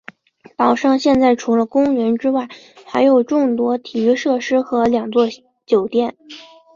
岛上现在除了公园之外还有众多体育设施和两座酒店。